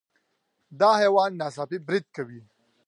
دا حیوان ناڅاپي برید کوي.